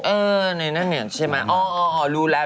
เออในนั้นเนี่ยใช่ไหมอ๋อรู้แล้ว